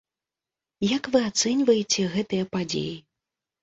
Як вы ацэньваеце гэтыя падзеі?